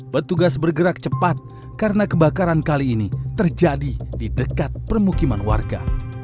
petugas bergerak cepat karena kebakaran kali ini terjadi di dekat permukiman warga